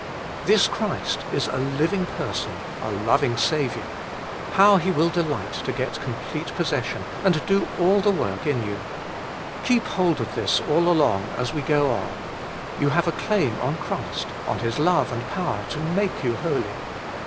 4. This Christ is a Living Person, a Loving Saviour : how He will delight to get complete possession, and do all the work in you I Keep hold of this all along as we go on : you have a claim on Christ, on His Love and Power, to make you holy.